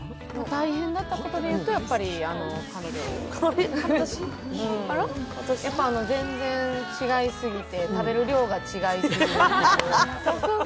大変だったことでいうと彼女全然違いすぎて、食べる量が違いすぎること。